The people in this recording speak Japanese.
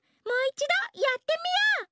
もういちどやってみよう！